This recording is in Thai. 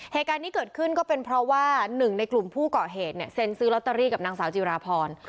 เหตุการณ์ที่เกิดขึ้นก็เป็นเพราะว่าหนึ่งในกลุ่มผู้เกาะเหตุเนี่ยเซ็นซื้อลอตเตอรี่กับนางสาวจิราพร